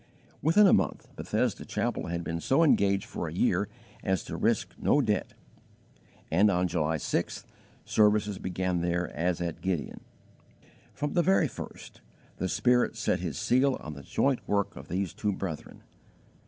_ Within a month Bethesda Chapel had been so engaged for a year as to risk no debt, and on July 6th services began there as at Gideon. From the very first, the Spirit set His seal on the joint work of these two brethren.